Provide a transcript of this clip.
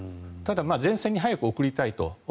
ただ、前線に早く送りたいと。